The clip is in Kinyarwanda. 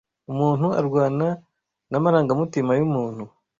umuntu arwana namarangamutima yumuntu